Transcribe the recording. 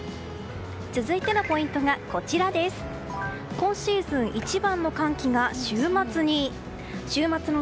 続いてのポイントが今シーズン一番の寒気が週末に。